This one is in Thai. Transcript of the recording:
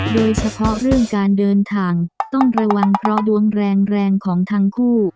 โดยเฉพาะเรื่องการเดินทางต้องระวังเพราะดวงแรงแรงของทั้งคู่